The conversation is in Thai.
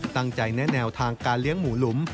ตั้งใจแนวทางการเลี้ยงหมูหลุม